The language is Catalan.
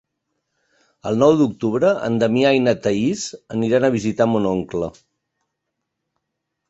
El nou d'octubre en Damià i na Thaís aniran a visitar mon oncle.